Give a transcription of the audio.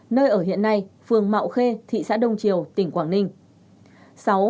nơi ở hiện nay phường mạo khê thị xã đông triều tỉnh quảng ninh